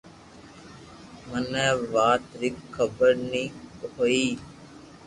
مني آ وات ري خبر ني ھوئي